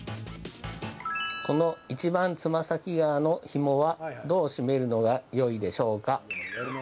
この、いちばんつま先側のひもはどう締めるのがよいでしょうか？